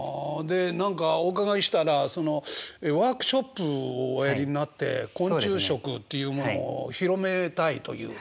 で何かお伺いしたらワークショップをおやりになって昆虫食っていうものを広めたいという。